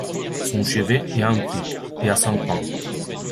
Son chevet est en brique, et à cinq pans.